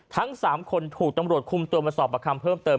ทั้ง๓คนถูกตำรวจคุมตัวมาสอบประคำเพิ่มเติม